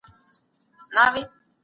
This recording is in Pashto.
موږ باید له خپلو ګناهونو توبه وباسو.